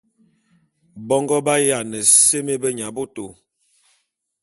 Bongo ba’ayiana seme beyaboto.